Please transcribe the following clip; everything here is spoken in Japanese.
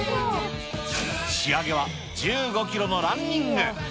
仕上げは１５キロのランニング。